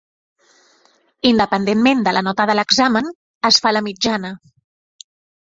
Independentment de la nota de l'examen, es fa la mitjana.